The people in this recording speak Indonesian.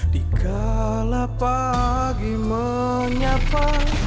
di kalap pagi menyapa